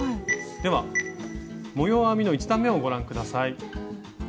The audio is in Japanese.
では模様編みの１段めをご覧下さい。